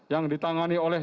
yang ditangani oleh